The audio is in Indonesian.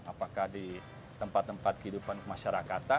apakah di tempat tempat kehidupan kemasyarakatan